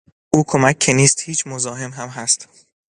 او کمک که نیست هیچ، مزاحم هم هست.